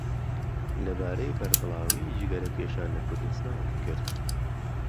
لەبارەی بەربڵاویی جگەرەكێشان لە كوردستان كرد